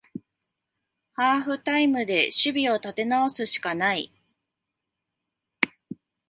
ハーフタイムで守備を立て直すしかない